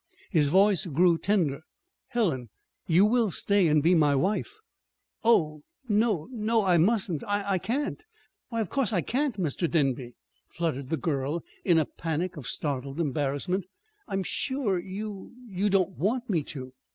His voice grew tender. "Helen, you will stay, and be my wife?" "Oh, no, no I mustn't, I can't! Why, of course I can't, Mr. Denby," fluttered the girl, in a panic of startled embarrassment. "I'm sure you you don't want me to."